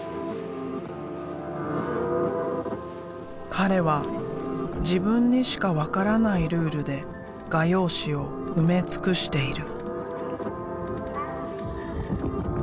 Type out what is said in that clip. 彼は自分にしか分からないルールで画用紙を埋め尽くしている。